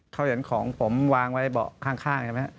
เขาเห็นของผมวางไว้ข้างอย่างนี้